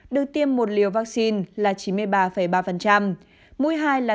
được tiêm một liều vaccine là chín mươi ba ba mũi hai là tám mươi hai năm